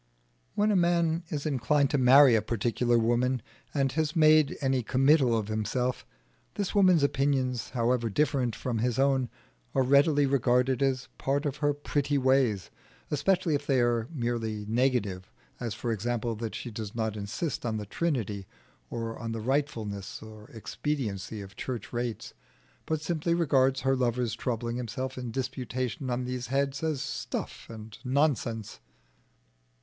When a man is inclined to marry a particular woman, and has made any committal of himself, this woman's opinions, however different from his own, are readily regarded as part of her pretty ways, especially if they are merely negative; as, for example, that she does not insist on the Trinity or on the rightfulness or expediency of church rates, but simply regards her lover's troubling himself in disputation on these heads as stuff and nonsense.